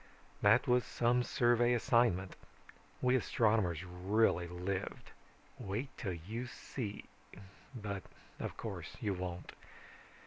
"That was some survey assignment. We astronomers really lived. Wait till you see but of course you won't.